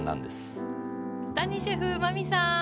谷シェフ真海さん！